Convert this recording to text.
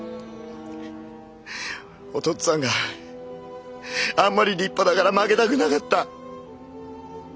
お父っつぁんがあんまり立派だから負けたくなかった。